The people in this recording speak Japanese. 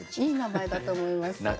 いい名前だと思います。